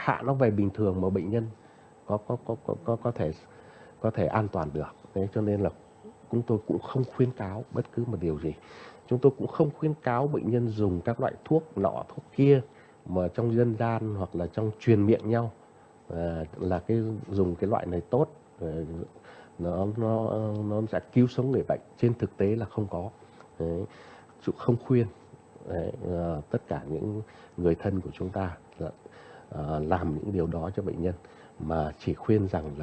chúng tôi không phải bình thường mà bệnh nhân có có có có có có có thể có thể an toàn được đấy cho nên là chúng tôi cũng không khuyên cáo bất cứ một điều gì chúng tôi cũng không khuyên cáo bệnh nhân dùng các loại thuốc nọ thuốc kia mà trong dân gian hoặc là trong truyền miệng nhau là cái dùng cái loại này tốt nó nó nó sẽ cứu sống người bệnh trên thực tế là không có sự không khuyên tất cả những người thân của chúng ta làm những điều này